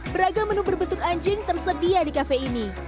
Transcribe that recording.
beragam menu berbentuk anjing tersedia di kafe ini